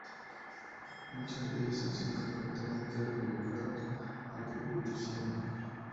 Muchas de ellas han sido frecuentemente adjudicadas al propio Tiziano.